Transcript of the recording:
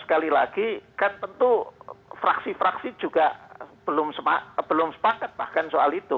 sekali lagi kan tentu fraksi fraksi juga belum sepakat bahkan soal itu